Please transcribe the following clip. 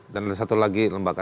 dan ada satu lagi lembaga